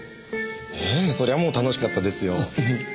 ええそりゃもう楽しかったですよ。